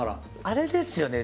あれですよね。